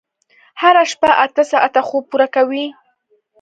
هره شپه اته ساعته خوب پوره کوئ.